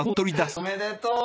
おめでとう！